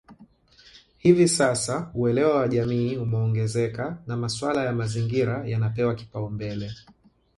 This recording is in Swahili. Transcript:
Hivi sasa uelewa wa jamii umeongezeka na masuala ya mazingira yanapewa kipaumbele